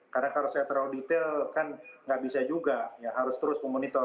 karena kalau saya terlalu detail kan nggak bisa juga ya harus terus memonitor